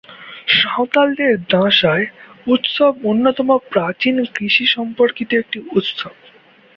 সাঁওতালদের দাঁশায় উৎসব অন্যতম প্রাচীন কৃষি সম্পর্কিত একটি উৎসব।